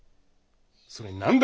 それに何だ